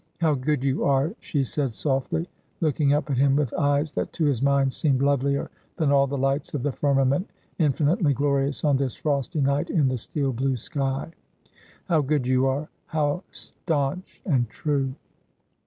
' How good you are !' she said softly, looking up at him with eyes that to his mind seemed lovelier than all the lights of the firmament, infinitely glorious on this frosty night in the steel blue sky. ' How good you are ! how staunch and true